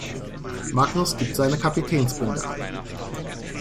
Magnus gibt seine Kapitänsbinde ab.